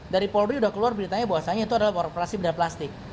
dari polri udah keluar beritanya bahwasanya itu adalah operasi bedah plastik